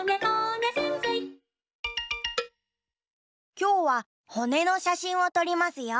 きょうはほねのしゃしんをとりますよ。